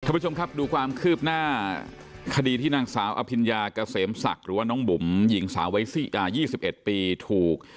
ผู้ชมครับดูความคืบหน้าคดีที่นางสาวอภิญญาเกษมศักดิ์หรือว่าน้องบุ๋มหญิงสาววัย๒๑ปีถูก